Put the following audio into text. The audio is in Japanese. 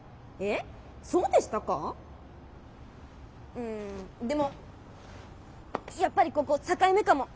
うんでもやっぱりここ「境目」かも。